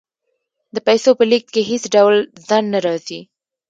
د پیسو په لیږد کې هیڅ ډول ځنډ نه راځي.